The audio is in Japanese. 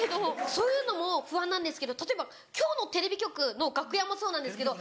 そういうのも不安なんですけど例えば今日のテレビ局の楽屋もそうなんですけど。